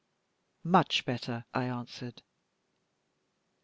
"Much better," I answered.